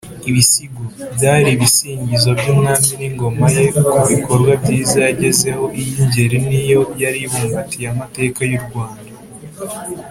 Ibisigo: byari ibisingizo by’umwami n’ingoma ye, ku bikorwa byiza yagezaho iyi ngeri n’iyo yaribumbatiye amateka y’u Rwanda